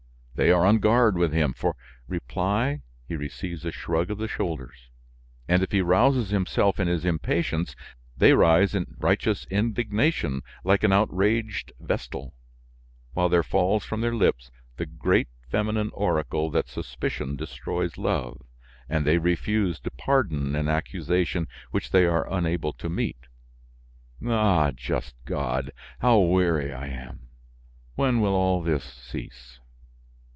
They are on guard with him; for reply, he receives a shrug of the shoulders, and, if he rouses himself in his impatience, they rise in righteous indignation like an outraged vestal, while there falls from their lips the great feminine oracle that suspicion destroys love, and they refuse to pardon an accusation which they are unable to meet. Ah! just God! How weary I am! When will all this cease?"